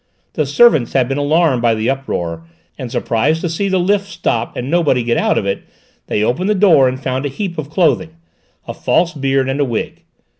The servants had been alarmed by the uproar and, surprised to see the lift stop and nobody get out of it, they opened the door and found a heap of clothing, a false beard, and a wig.